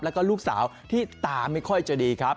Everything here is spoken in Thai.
แล้วก็ลูกสาวที่ตาไม่ค่อยจะดีครับ